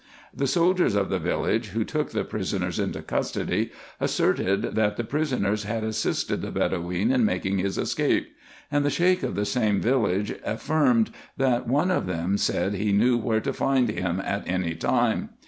The soldiers of the village, who took the prisoners into custody, asserted, that the prisoners had assisted the Eedoween in making his escape ; and the Sheik of the same village affirmed, that one of them said he knew where to find him at any time.